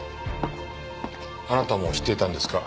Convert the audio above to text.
あなたも知っていたんですか？